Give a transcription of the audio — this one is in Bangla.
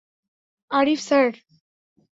আরিফ, স্যার।